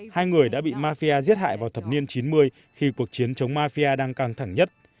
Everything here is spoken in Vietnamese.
hai người đã bị mafia giết hại vào thập niên chín mươi khi cuộc chiến chống mafia đang căng thẳng nhất